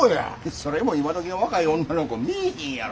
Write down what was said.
それも今どきの若い女の子見いひんやろ。